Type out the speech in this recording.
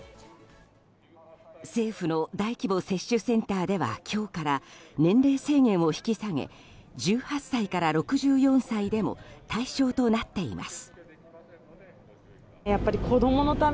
政府の大規模接種センターでは今日から年齢制限を引き下げ１８歳から６４歳でも対象となっています。